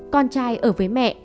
con trai ở với mẹ